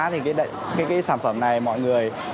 thì cái sản phẩm này mọi người